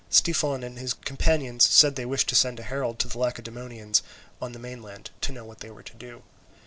Styphon and his companions said they wished to send a herald to the Lacedaemonians on the mainland, to know what they were to do.